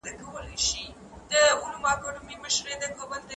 که انلاین ازموینې وي، ارزونه چټکه ترسره کېږي.